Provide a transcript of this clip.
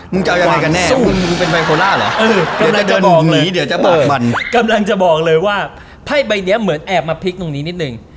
หว่าจะเอายังไงกันเนี่ยไฟโคล่าเหรอเดี๋ยวจะบอกเลยกำลังจะบอกเลยว่าไพ่ใบเนี้ยเหมือนแอบมาพลิกตอนนี้นิดนึง